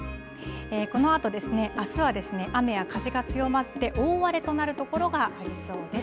このあと、あすは雨や風が強まって、大荒れとなる所がありそうです。